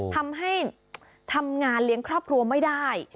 ทำงานเลี้ยงครอบครัวไม่ได้